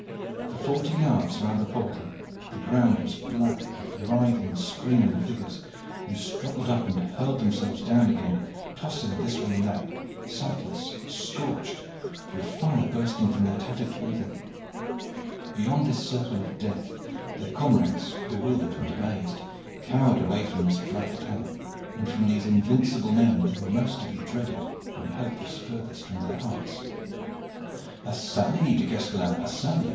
For forty yards round the portal the ground was black with writhing, screaming figures, who struggled up and hurled themselves down again, tossing this way and that, sightless, scorched, with fire bursting from their tattered clothing. Beyond this circle of death their comrades, bewildered and amazed, cowered away from this black tower and from these invincible men, who were most to be dreaded when hope was furthest from their hearts. "A sally, Du Guesclin, a sally!"